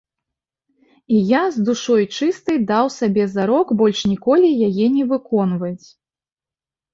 І я, з душой чыстай, даў сабе зарок больш ніколі яе не выконваць.